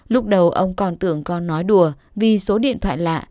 lúc đầu ông còn tưởng con nói đùa vì số điện thoại lạ